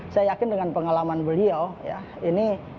saya yakin dengan pengalaman beliau ya ini